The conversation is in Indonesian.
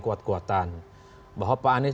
kuat kuatan bahwa pak anies